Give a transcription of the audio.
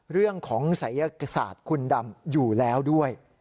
เรื่องของศัยศาสตร์คุณดำอยู่แล้วด้วย